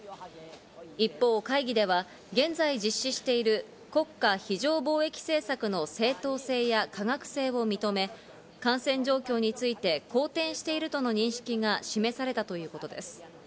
一方、会議では現在実施している国家非常防疫政策の正当性や科学性を認め、感染状況について好転しているとの認識が示されたということです。